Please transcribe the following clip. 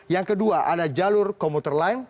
yang kedua ada jalur komuter lain